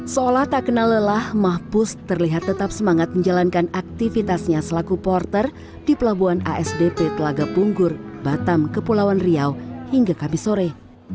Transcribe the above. seolah tak kenal lelah mahpus terlihat tetap semangat menjalankan aktivitasnya selaku porter di pelabuhan asdp telaga punggur batam kepulauan riau hingga kabisore